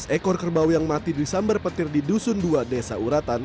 sembilan belas ekor kerbau yang mati disambar petir di dusun dua desa uratan